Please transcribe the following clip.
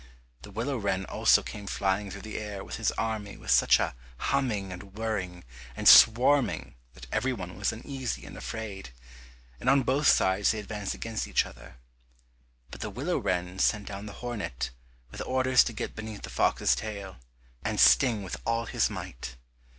The willow wren also came flying through the air with his army with such a humming, and whirring, and swarming that every one was uneasy and afraid, and on both sides they advanced against each other. But the willow wren sent down the hornet, with orders to get beneath the fox's tail, and sting with all his might.